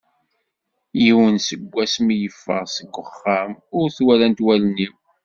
Yiwen, seg wass mi yeffeɣ seg uxxam ur t-walant wallen-iw.